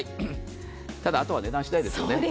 ただ、あとは値段しだいですよね。